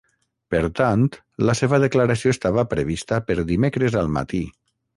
Per tant, la seva declaració estava prevista per dimecres al matí.